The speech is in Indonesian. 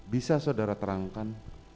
bisa saudara terangkan